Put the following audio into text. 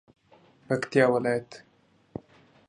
پکتیکا ولایت